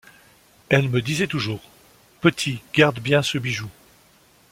Elle me disait toujours :— Petite, garde bien ce bijou.